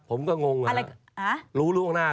ผมก็งงมากน่ะ